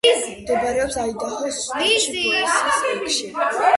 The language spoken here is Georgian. მდებარეობს აიდაჰოს შტატში, ბოისეს ოლქში.